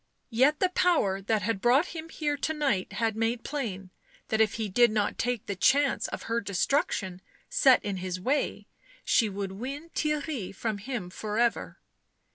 Yet the power that had brought him here to night had made plain that if he did not take the chance of her destruction set in his way, she would win Theirry from him for ever.